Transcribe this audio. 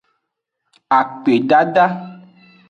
Akpedada.